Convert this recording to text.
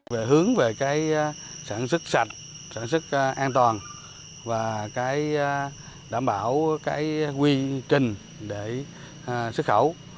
về hướng về cái sản xuất sạch sản xuất an toàn và cái đảm bảo cái quy trình để xuất khẩu